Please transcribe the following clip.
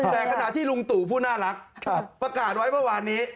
แต่ขณะที่ลุงตู่ผู้น่ารักประกาศไว้เมื่อวานนี้